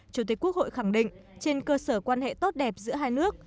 chủ tịch quốc hội khẳng định trên cơ sở quan hệ tốt đẹp giữa hai nước